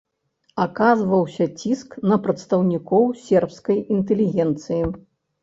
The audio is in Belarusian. Аказваўся ціск на прадстаўнікоў сербскай інтэлігенцыі.